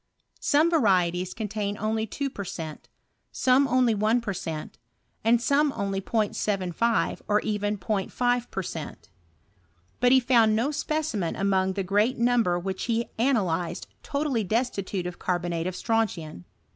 Some varieties contain only 2 per cent., some only 1 per cent., and some only 0*75, or even 0*5 per •cent. ; but he found no specimen among the great miimber which he analyzed totally destitute of carbo jiate of strontian.